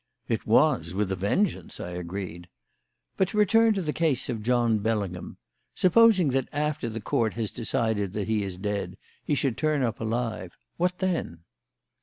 "It was, with a vengeance," I agreed. "But to return to the case of John Bellingham. Supposing that after the Court has decided that he is dead he should turn up alive? What then?"